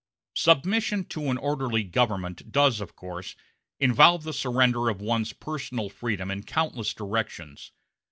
Submission to an orderly government does, of course, involve the surrender of one's personal freedom in countless directions.